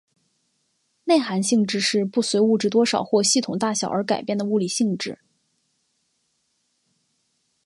内含性质是不随物质多少或系统大小而改变的物理性质。